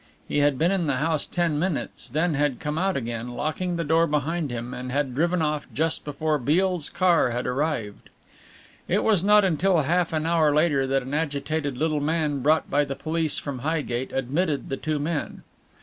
He had been in the house ten minutes then had come out again, locking the door behind him, and had driven off just before Beale's car had arrived. It was not until half an hour later that an agitated little man brought by the police from Highgate admitted the two men.